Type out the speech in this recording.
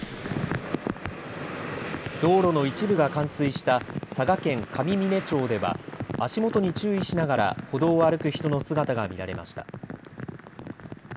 道路の一部が冠水した佐賀県上峰町では足元に注意しながら歩道を歩く人の姿が見られました。